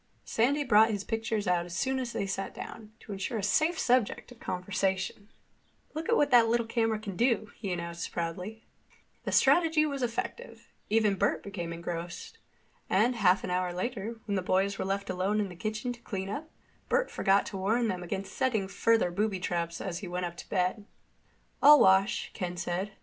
Sandy brought his pictures out as soon as they had sat down, to ensure a safe subject of conversation. "Look what that little camera can do," he announced proudly. The strategy was effective. Even Bert became engrossed. And half an hour later, when the boys were left alone in the kitchen to clean up, Bert forgot to warn them against setting further booby traps as he went up to bed. "I'll wash," Ken said.